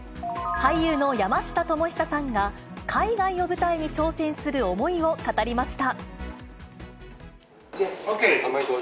俳優の山下智久さんが、海外を舞台に挑戦する思いを語りました。